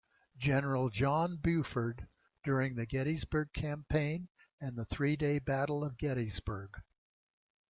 General John Buford during the Gettysburg Campaign and the three-day Battle of Gettysburg.